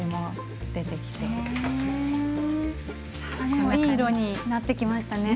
でもいい色になってきましたね。